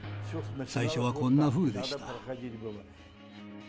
最初はこんなふうでした。